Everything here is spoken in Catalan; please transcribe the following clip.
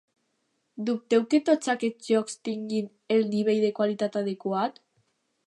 Dubteu que tots aquests llocs tinguin el nivell de qualitat adequat.